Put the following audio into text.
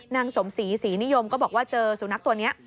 นางสมศรีศรีนิยมก็บอกว่าเจอสุนัขตัวนี้